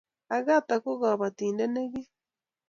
Agatha ko kabotindet nekiim